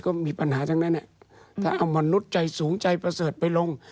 ก็มีปัญหาทั้งนั้นถ้าเอามนุษย์ใจสูงใจประเสริฐไปลง